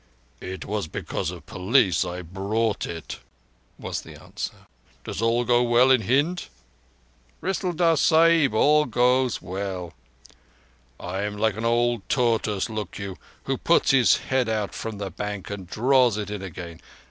"It was because of the police I bought it," was the answer. "Does all go well in Hind?" "Rissaldar Sahib, all goes well." "I am like an old tortoise, look you, who puts his head out from the bank and draws it in again.